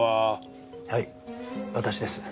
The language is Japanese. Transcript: はい私です。